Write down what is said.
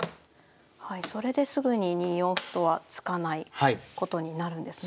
それですぐに２四歩とは突かないことになるんですね。